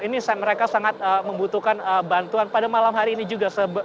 ini mereka sangat membutuhkan bantuan pada malam hari ini juga